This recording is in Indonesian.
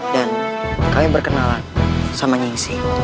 dan kami berkenalan sama nyingsi